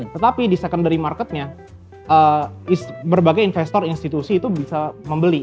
tetapi di secondary marketnya berbagai investor institusi itu bisa membeli